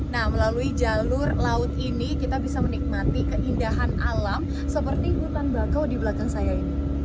nah melalui jalur laut ini kita bisa menikmati keindahan alam seperti hutan bakau di belakang saya ini